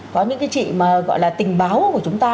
có những chị tình báo của chúng ta